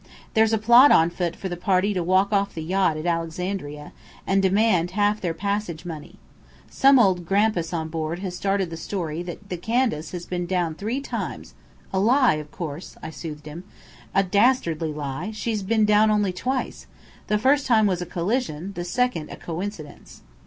There's a plot on foot for the party to walk off the yacht at Alexandria, and demand half their passage money. Some old grampus on board has started the story that the Candace has been down three times " "A lie, of course," I soothed him. "A dastardly lie. She's been down only twice. The first time was a collision, the second a coincidence."